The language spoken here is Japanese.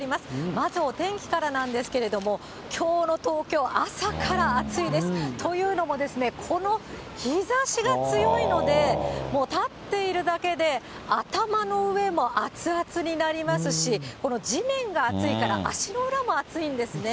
まずお天気からなんですけれども、きょうの東京、朝から暑いです。というのもですね、この日ざしが強いので、もう立っているだけで、頭の上も熱々になりますし、この地面があついから、足の裏も熱いんですね。